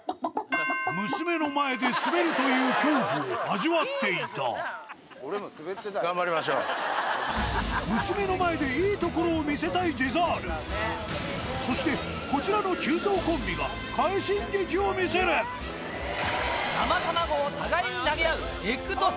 娘の前でスベるという恐怖を味わっていた娘の前でいいところを見せたいジェザールそしてこちらの生卵を互いに投げ合う。